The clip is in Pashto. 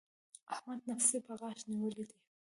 احمد نفس په غاښ نيولی دی.